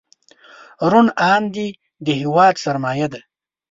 روڼ اندي د هېواد سرمایه ده.